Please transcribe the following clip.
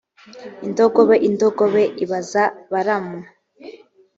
indogobe indogobe ibaza balamu